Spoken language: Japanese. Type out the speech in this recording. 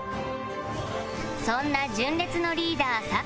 そんな純烈のリーダー酒井さん